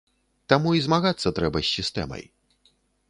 Таму і змагацца трэба з сістэмай.